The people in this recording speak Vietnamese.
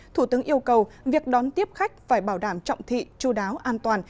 thủ tướng yêu cầu việc đón tiếp khách phải bảo đảm trọng thị chú đáo an toàn